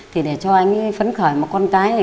thì để cho anh ấy phấn khởi một con cái này